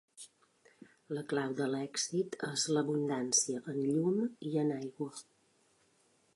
La clau de l'èxit és l'abundància en llum i en aigua.